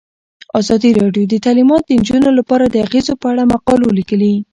ازادي راډیو د تعلیمات د نجونو لپاره د اغیزو په اړه مقالو لیکلي.